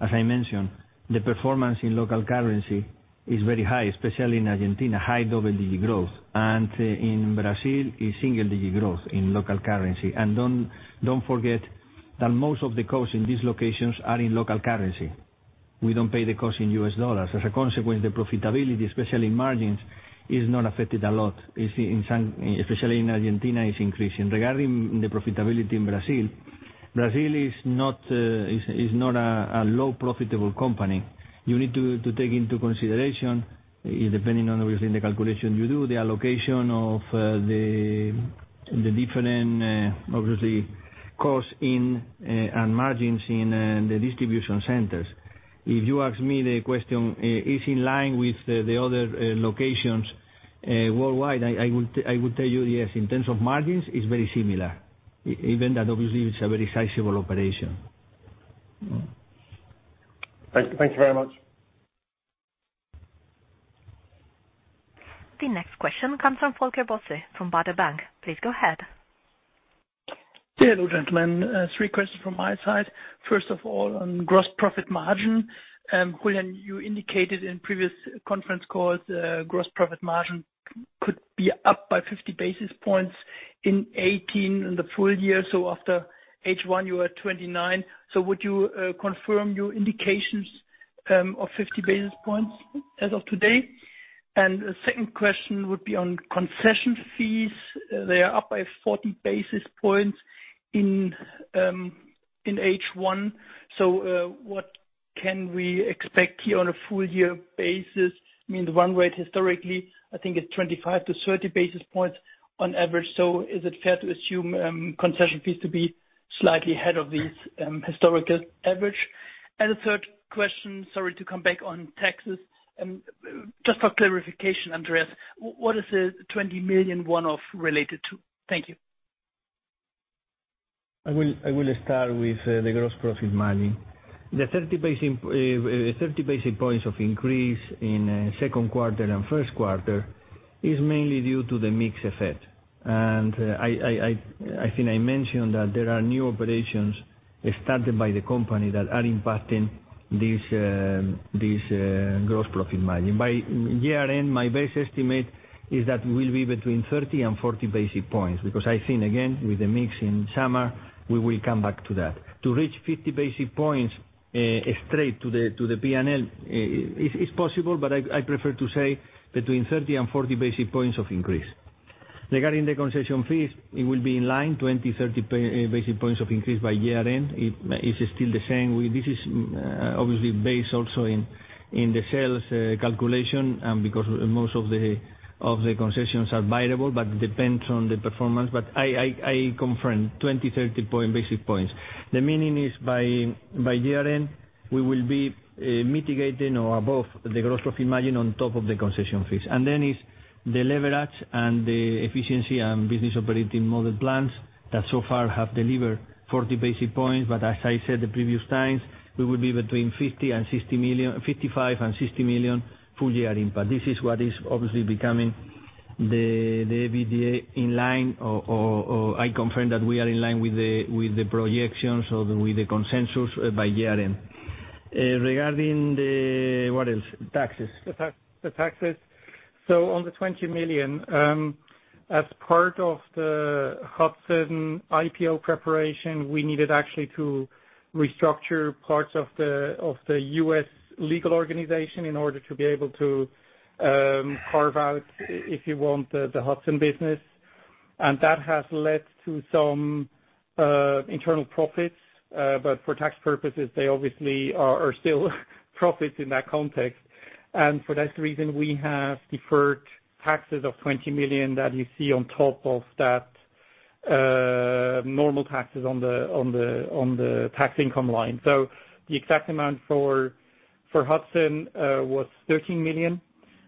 As I mentioned, the performance in local currency is very high, especially in Argentina, high double-digit growth. In Brazil, it's single-digit growth in local currency. Don't forget that most of the costs in these locations are in local currency. We don't pay the cost in US dollars. As a consequence, the profitability, especially margins, is not affected a lot. Especially in Argentina, it's increasing. Regarding the profitability in Brazil is not a low profitable company. You need to take into consideration, depending on obviously the calculation you do, the allocation of the different, obviously, cost and margins in the distribution centers. If you ask me the question, is it in line with the other locations worldwide, I would tell you, yes. In terms of margins, it's very similar, even that obviously it's a very sizable operation. Thank you very much. The next question comes from Volker Bosse of Baader Bank. Please go ahead. Hello, gentlemen. Three questions from my side. First of all, on gross profit margin. Julián, you indicated in previous conference calls, gross profit margin could be up by 50 basis points in 2018 in the full year. After H1, you were at 29%. Would you confirm your indications of 50 basis points as of today? The second question would be on concession fees. They are up by 40 basis points in H1. What can we expect here on a full year basis? I mean, the run rate historically, I think it's 25-30 basis points on average. Is it fair to assume concession fees to be slightly ahead of these historical average? The third question, sorry to come back on taxes. Just for clarification, Andreas, what is the 20 million one-off related to? Thank you. I will start with the gross profit margin. The 30 basis points of increase in second quarter and first quarter is mainly due to the mix effect. I think I mentioned that there are new operations started by the company that are impacting this gross profit margin. By year-end, my base estimate is that we'll be between 30 and 40 basis points, because I think, again, with the mix in summer, we will come back to that. To reach 50 basis points straight to the P&L is possible, but I prefer to say between 30 and 40 basis points of increase. Regarding the concession fees, it will be in line, 20-30 basis points of increase by year-end. It's still the same. This is obviously based also in the sales calculation, because most of the concessions are variable, but depends on the performance. I confirm 20-30 basis points. The meaning is by year-end, we will be mitigating or above the gross profit margin on top of the concession fees. It's the leverage and the efficiency and business operating model plans that so far have delivered 40 basis points. As I said the previous times, we will be between 55 million and 60 million full year impact. This is what is obviously becoming the EBITDA in line, or I confirm that we are in line with the projections or with the consensus by year-end. Regarding taxes. The taxes. On the 20 million, as part of the Hudson IPO preparation, we needed actually to restructure parts of the U.S. legal organization in order to be able to carve out, if you want, the Hudson business. That has led to some internal profits. For tax purposes, they obviously are still profits in that context. For that reason, we have deferred taxes of 20 million that you see on top of that normal taxes on the tax income line. The exact amount for Hudson was 13 million.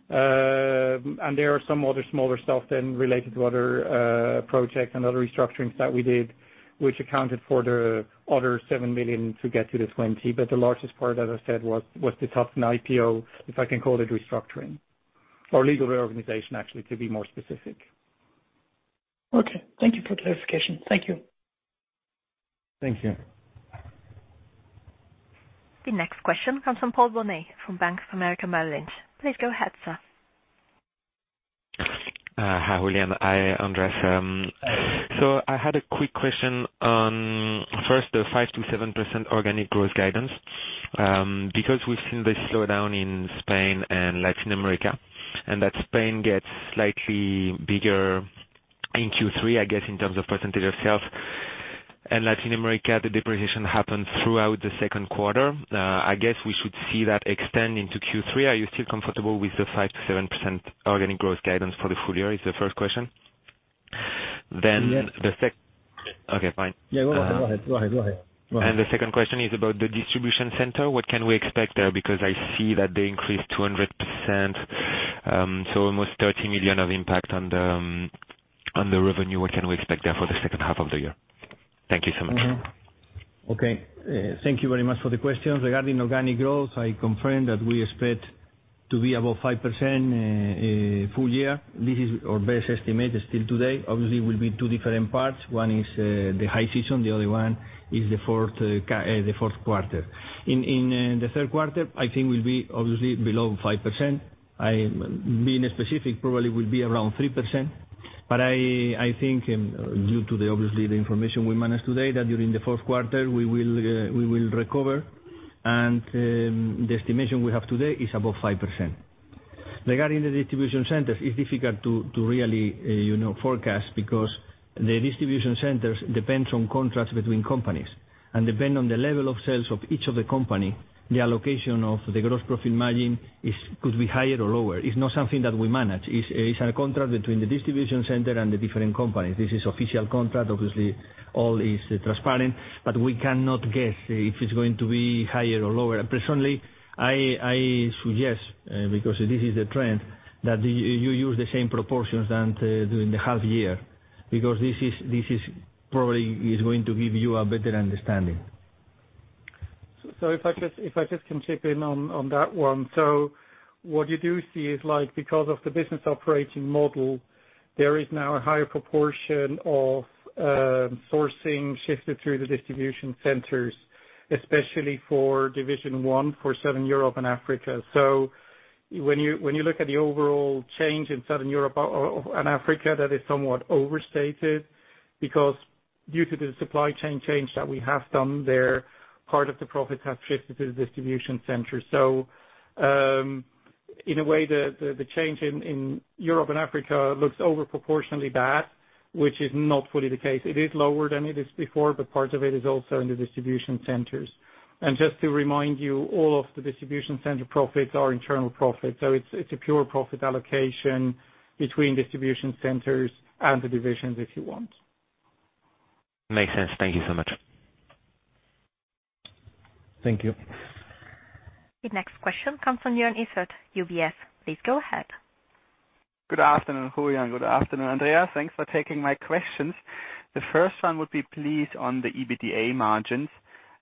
There are some other smaller stuff then related to other projects and other restructurings that we did, which accounted for the other 7 million to get to the 20 million. The largest part, as I said, was the Hudson IPO, if I can call it restructuring. Or legal reorganization, actually, to be more specific. Okay. Thank you for clarification. Thank you. Thank you. The next question comes from Paul Bonnet from Bank of America Merrill Lynch. Please go ahead, sir. Hi, Julián. Hi, Andreas. I had a quick question on, first the 5%-7% organic growth guidance. We've seen the slowdown in Spain and Latin America, and that Spain gets slightly bigger in Q3, I guess, in terms of percentage of sales. In Latin America, the depreciation happened throughout the second quarter. I guess we should see that extend into Q3. Are you still comfortable with the 5%-7% organic growth guidance for the full year? Is the first question. Yeah. Okay, fine. Yeah. Go ahead. The second question is about the distribution center. What can we expect there? Because I see that they increased 200%, so almost 30 million of impact on the revenue. What can we expect there for the second half of the year? Thank you so much. Okay. Thank you very much for the questions. Regarding organic growth, I confirm that we expect to be above 5% full year. This is our best estimate still today. Obviously, will be two different parts. One is the high season, the other one is the fourth quarter. In the third quarter, I think we'll be obviously below 5%. Being specific, probably will be around 3%. I think due to obviously the information we managed today, that during the fourth quarter we will recover and the estimation we have today is above 5%. Regarding the distribution centers, it's difficult to really forecast, because the distribution centers depends on contracts between companies, and depend on the level of sales of each of the company. The allocation of the gross profit margin could be higher or lower. It's not something that we manage. It's a contract between the distribution center and the different companies. This is official contract. Obviously, all is transparent. We cannot guess if it's going to be higher or lower. Personally, I suggest, because this is the trend, that you use the same proportions than during the half year. This probably is going to give you a better understanding. If I just can chip in on that one. What you do see is, because of the business operating model, there is now a higher proportion of sourcing shifted through the distribution centers, especially for Division 1, for Southern Europe and Africa. When you look at the overall change in Southern Europe and Africa, that is somewhat overstated, because due to the supply chain change that we have done there, part of the profits have shifted to the distribution center. In a way, the change in Europe and Africa looks over proportionally bad, which is not fully the case. It is lower than it is before, but part of it is also in the distribution centers. And just to remind you, all of the distribution center profits are internal profits. It's a pure profit allocation between distribution centers and the divisions, if you want. Makes sense. Thank you so much. Thank you. The next question comes from Joern Iffert, UBS. Please go ahead. Good afternoon, Julián. Good afternoon, Andreas. Thanks for taking my questions. First one would be, please, on the EBITDA margins.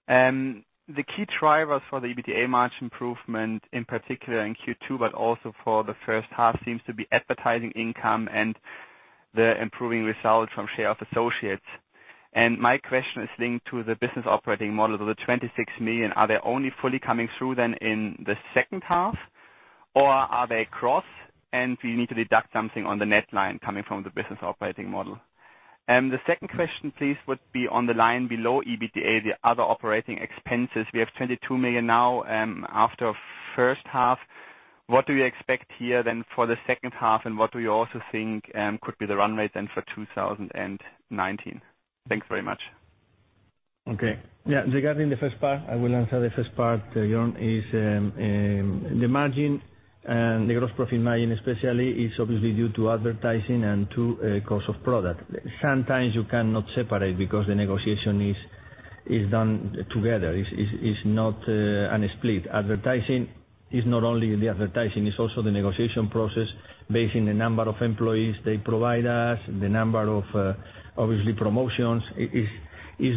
Key drivers for the EBITDA margin improvement, in particular in Q2, but also for the first half, seems to be advertising income and the improving results from share of associates. My question is linked to the business operating model. 26 million, are they only fully coming through then in the second half? Are they cross and we need to deduct something on the net line coming from the business operating model? Second question, please, would be on the line below EBITDA, the other operating expenses. We have 22 million now after first half. What do you expect here then for the second half? What do you also think could be the run rate then for 2019? Thanks very much. Regarding the first part, I will answer the first part, Joern. The margin, the gross profit margin especially, is obviously due to advertising and to cost of product. Sometimes you cannot separate because the negotiation is done together. It's not a split. Advertising is not only the advertising, it's also the negotiation process based on the number of employees they provide us, the number of obviously promotions. It's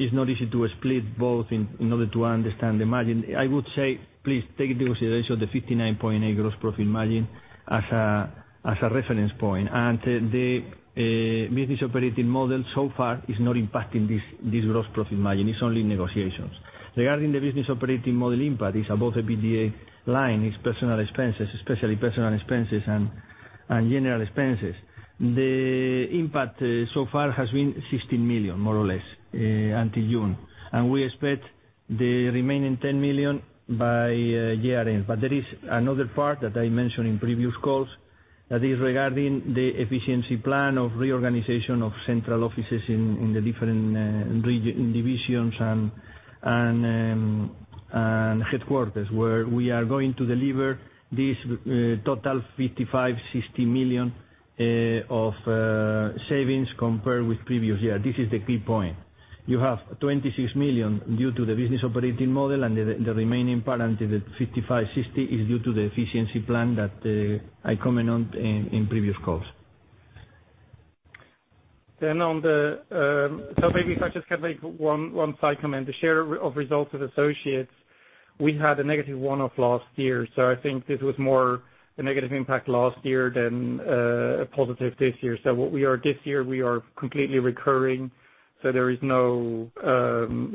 not easy to split both in order to understand the margin. I would say, please take into consideration the 59.8% gross profit margin as a reference point. The business operating model so far is not impacting this gross profit margin. It's only negotiations. Regarding the business operating model impact, it's above the EBITDA line. It's personal expenses, especially personal expenses and general expenses. The impact so far has been 16 million, more or less, until June. We expect the remaining 10 million by year-end. There is another part that I mentioned in previous calls that is regarding the efficiency plan of reorganization of central offices in the different divisions and headquarters, where we are going to deliver this total 55 million-60 million of savings compared with previous year. This is the key point. You have 26 million due to the business operating model, and the remaining part, the 55 million-60 million, is due to the efficiency plan that I comment on in previous calls. Maybe if I just can make one side comment. Share of results of associates, we had a negative one-off last year. I think this was more a negative impact last year than a positive this year. What we are this year, we are completely recurring, there is no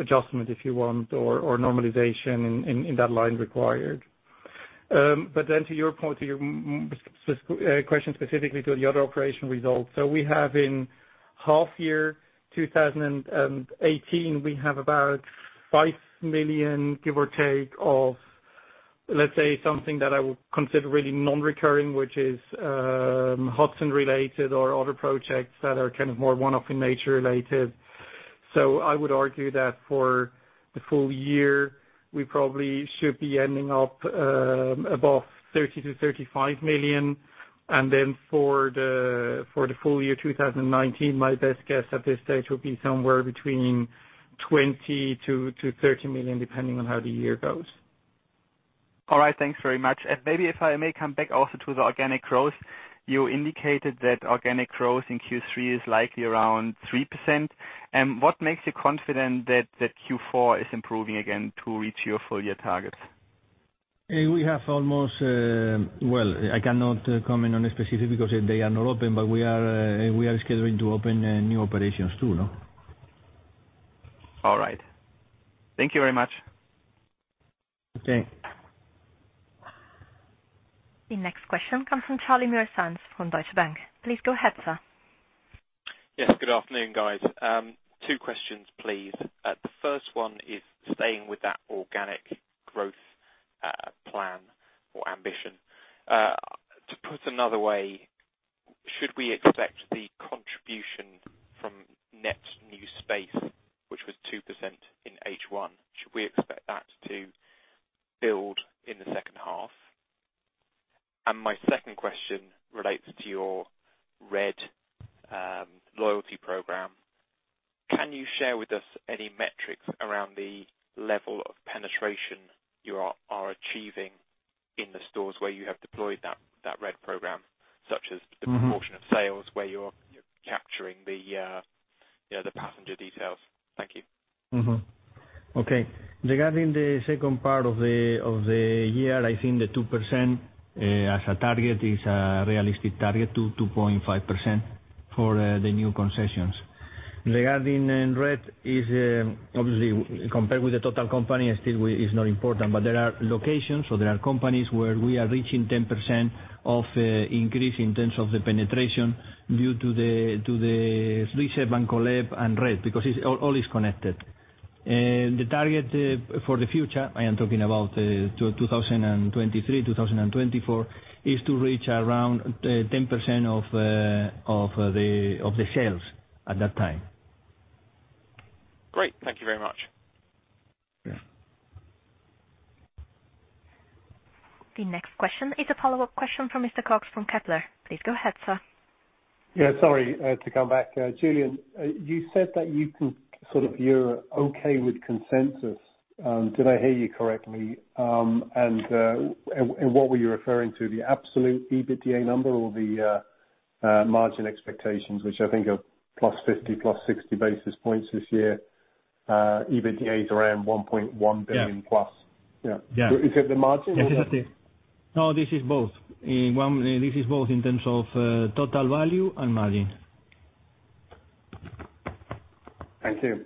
adjustment, if you want, or normalization in that line required. To your point, to your question specifically to the other operational results. We have in half year 2018, we have about 5 million, give or take, of, let's say, something that I would consider really non-recurring, which is Hudson-related or other projects that are kind of more one-off in nature related. I would argue that for the full year, we probably should be ending up above 30 million-35 million. For the full year 2019, my best guess at this stage would be somewhere between 20 million-30 million, depending on how the year goes. All right. Thanks very much. Maybe if I may come back also to the organic growth. You indicated that organic growth in Q3 is likely around 3%. What makes you confident that Q4 is improving again to reach your full year targets? We have almost Well, I cannot comment on a specific because they are not open, but we are scheduling to open new operations too, no? All right. Thank you very much. Okay. The next question comes from Charlie Muller from Deutsche Bank. Please go ahead, sir. Yes. Good afternoon, guys. Two questions, please. The first one is staying with that organic growth plan or ambition. To put another way, should we expect the contribution from net new space, which was 2% in H1, should we expect that to build in the second half? My second question relates to your RED loyalty program. Can you share with us any metrics around the level of penetration you are achieving in the stores where you have deployed that RED program, such as the proportion of sales where you're capturing the passenger details? Thank you. Okay. Regarding the second part of the year, I think the 2% as a target is a realistic target to 2.5% for the new concessions. Regarding RED, obviously compared with the total company, still it's not important, but there are locations or there are companies where we are reaching 10% of increase in terms of the penetration due to the Reserve and Collect and RED, because all is connected. The target for the future, I am talking about 2023, 2024, is to reach around 10% of the sales at that time. Great. Thank you very much. Yeah. The next question is a follow-up question from Mr. Cox from Kepler. Please go ahead, sir. Sorry to come back. Julián, you said that you're okay with consensus. Did I hear you correctly? What were you referring to, the absolute EBITDA number or the margin expectations, which I think are plus 50, plus 60 basis points this year? EBITDA is around 1.1 billion plus. Yeah. Is it the margin? No, this is both. This is both in terms of total value and margin. Thank you.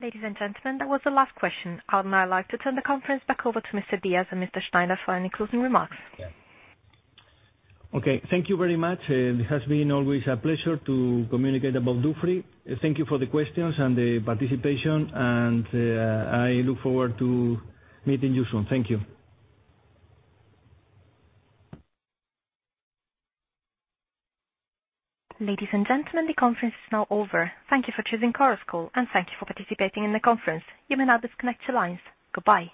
Ladies and gentlemen, that was the last question. I would now like to turn the conference back over to Mr. Díaz and Mr. Schneiter for any concluding remarks. Okay. Thank you very much. It has been always a pleasure to communicate about Dufry. Thank you for the questions and the participation, I look forward to meeting you soon. Thank you. Ladies and gentlemen, the conference is now over. Thank you for choosing Chorus Call, thank you for participating in the conference. You may now disconnect your lines. Goodbye.